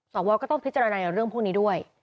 ก็ต้องพิจารณาเรื่องพวกนี้ด้วย